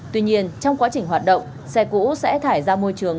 tuy nhiên trong quá trình hoạt động xe cũ sẽ thải ra môi trường